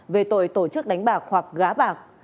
về tội tổ chức đánh bạc hoặc gá bạc